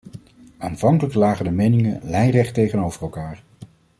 Aanvankelijk lagen de meningen lijnrecht tegenover elkaar.